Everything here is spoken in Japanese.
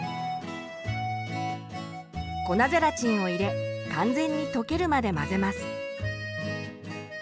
粉ゼラチンを入れ完全に溶けるまで混ぜます。